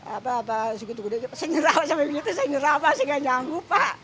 apa apa segitu gede segera sampai begitu segera pak saya gak nyanggup pak